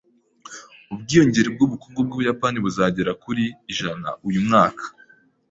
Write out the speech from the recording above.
Ubwiyongere bw'ubukungu bw'Ubuyapani buzagera kuri .% uyu mwaka.